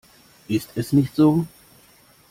Ist es nicht so?